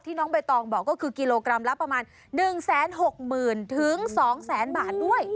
น้องใบตองบอกก็คือกิโลกรัมละประมาณ๑๖๐๐๐๒๐๐๐บาทด้วย